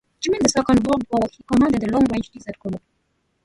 During the Second World War he commanded the Long Range Desert Group.